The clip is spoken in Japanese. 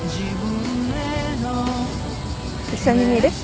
一緒に見る？